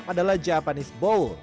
urap adalah japanese bowl